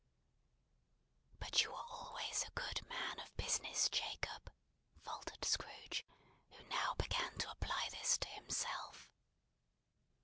"But you were always a good man of business, Jacob," faltered Scrooge, who now began to apply this to himself.